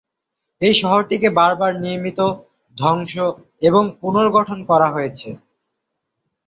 এই শহরটিকে বারবার নির্মিত, ধ্বংস এবং পুনর্গঠন করা হয়েছে।